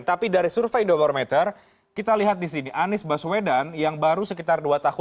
tapi dari survei indobarometer kita lihat di sini anies baswedan yang baru sekitar dua tahun